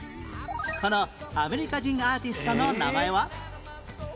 このアメリカ人アーティストの名前は？